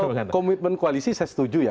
kalau komitmen koalisi saya setuju ya